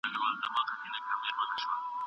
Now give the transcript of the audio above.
ښځه باید خپل ځان او جامې پاکې وساتي.